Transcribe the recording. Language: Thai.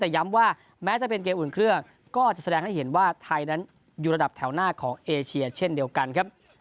แต่ย้ำว่าแม้จะเป็นเกมอุ่นเครื่องก็จะแสดงให้เห็นว่าไทยนั้นอยู่ระดับแถวหน้าของเอเชียเช่นเดียวกันครับ